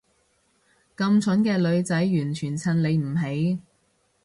咁蠢嘅女仔完全襯你唔起